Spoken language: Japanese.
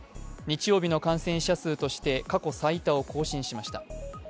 日曜日の感染者数として過去最多を更新しました。